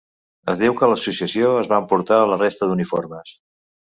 Es diu que l'associació es va emportar la resta d'uniformes.